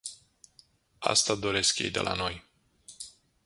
Asta doresc ei de la noi.